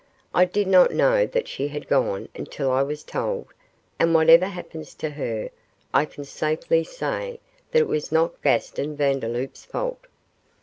I did not know that she had gone until I was told, and whatever happens to her, I can safely say that it was not Gaston Vandeloup's fault.